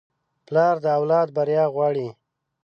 پلار د اولاد بریا غواړي.